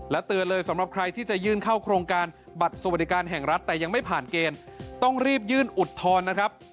เตือนเลยสำหรับใครที่จะยื่นเข้าโครงการบัตรสวัสดิการแห่งรัฐแต่ยังไม่ผ่านเกณฑ์ต้องรีบยื่นอุทธรณ์นะครับ